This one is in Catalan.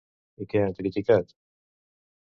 I què han criticat?